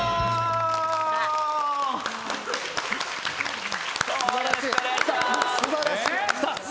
よろしくお願いします。